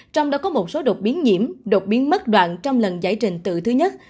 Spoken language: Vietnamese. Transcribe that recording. trong đó có một số đột biến nhiễm độc biến mất đoạn trong lần giải trình tự thứ nhất